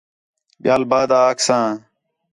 ٻِیال بعد اکساں